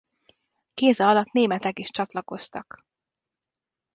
Géza alatt németek is csatlakoztak.